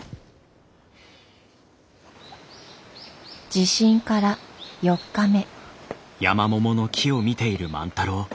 地震から４日目。